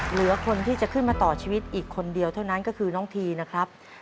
เหลือคนที่จะขึ้นมาต่อชีวิตอีกคนเดียวเท่านั้นก็คือน้องทีนะครับ